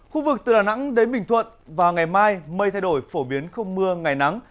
khu vực từ đà nẵng đến bình thuận và ngày mai mây thay đổi phổ biến không mưa ngày nắng